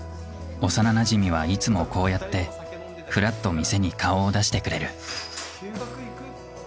幼なじみはいつもこうやってふらっと店に顔を出してくれる。